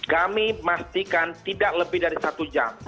kami memastikan tidak lebih dari satu jam